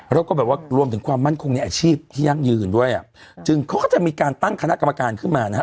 แล้วก็แบบว่ารวมถึงความมั่นคงในอาชีพที่ยั่งยืนด้วยอ่ะจึงเขาก็จะมีการตั้งคณะกรรมการขึ้นมานะฮะ